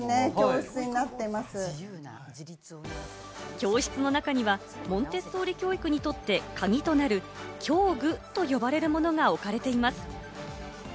教室の中にはモンテッソーリ教育にとってカギとなる教具と呼ばれるものが置かれています。